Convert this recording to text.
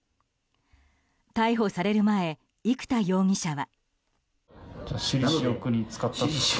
逮捕される前、生田容疑者は。